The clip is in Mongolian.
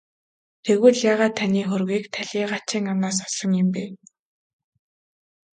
Тэгвэл яагаад таны хөрөгийг талийгаачийн амнаас олсон юм бэ?